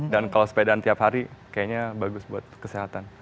dan kalau sepeda tiap hari kayaknya bagus buat kesehatan